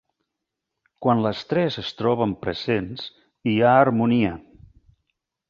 Quan les tres es troben presents, hi ha harmonia.